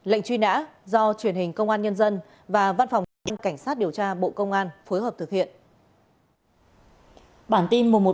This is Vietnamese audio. lệnh truy nã do truyền hình công an nhân dân và văn phòng cơ quan cảnh sát điều tra bộ công an phối hợp thực hiện